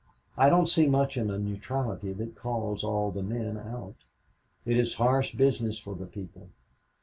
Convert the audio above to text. I don't see much in a neutrality that calls all the men out. It is harsh business for the people.